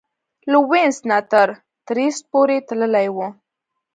له وینس نه تر ترېسټ پورې تللې وه.